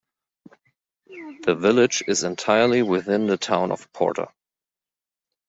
The village is entirely within the town of Porter.